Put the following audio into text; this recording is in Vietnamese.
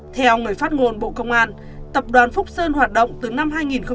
theo người phát ngôn bộ công an tập đoàn phúc sơn hoạt động từ năm hai nghìn bốn